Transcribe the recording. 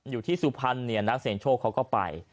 อยู่ที่สุพรรณนักเสนอโชคเขาก็ไป